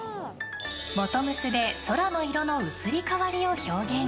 ボトムスで空の色の移り変わりを表現。